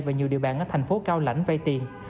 và nhiều địa bản ở thành phố cao lãnh vây tiền